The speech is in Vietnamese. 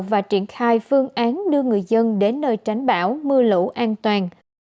và triển khai phương án đưa người dân đến nơi tránh bão mưa lũ an toàn